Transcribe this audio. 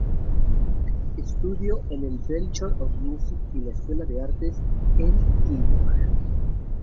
Estudió en el "Bachelor of Music" y la "Escuela de Artes" en Tilburg.